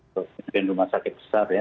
saya punya rumah sakit besar ya